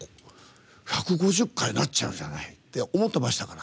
１５０回になっちゃうじゃないって思ってましたから。